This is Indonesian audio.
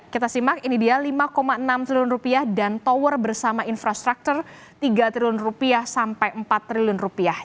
kita simak ini dia lima enam triliun rupiah dan tower bersama infrastruktur tiga triliun rupiah sampai empat triliun rupiah